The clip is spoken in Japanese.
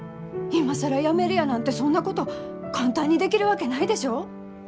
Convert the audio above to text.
今更辞めるやなんてそんなこと簡単にできるわけないでしょう？